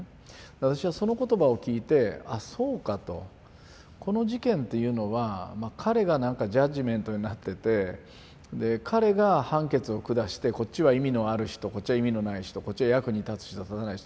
私はその言葉を聞いて「あっそうか」と。この事件っていうのは彼がなんかジャッジメントになってて彼が判決を下して「こっちは意味のある人こっちは意味のない人こっちは役に立つ人立たない人」。